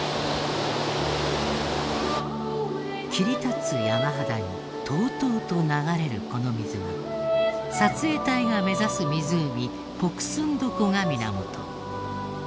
切り立つ山肌にとうとうと流れるこの水は撮影隊が目指す湖ポクスンド湖が源。